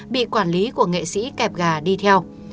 bị quản lý của nghệ sĩ kẹp gà đi theo